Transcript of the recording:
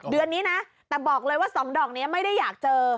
เดือนนี้นะแต่บอกเลยว่า๒ดอกนี้ไม่ได้อยากเจอ